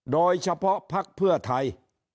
โดยเฉพาะพักเพือไทย